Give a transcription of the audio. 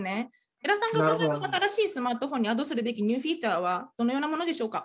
江良さんがお考えの新しいスマートフォンにアドするべきニューフィーチャーはどのようなものでしょうか？